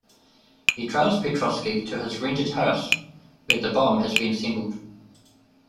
He trails Petrofsky to his rented house, where the bomb has been assembled.